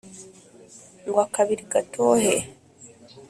ngo akabiri gatohe